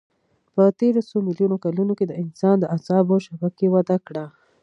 په تېرو څو میلیونو کلونو کې د انسان د اعصابو شبکې وده کړه.